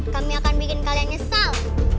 kami akan bikin kalian nyesal